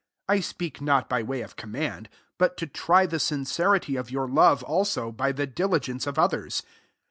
8 I speak not by way of command; but to try the sincerity of your love also, by the diligence of others.